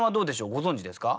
ご存じですか？